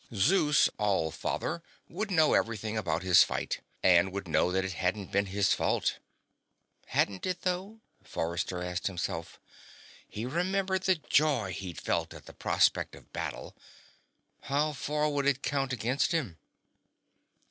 Zeus All Father would know everything about his fight, and would know that it hadn't been his fault. (Hadn't it, though? Forrester asked himself. He remembered the joy he'd felt at the prospect of battle. How far would it count against him?)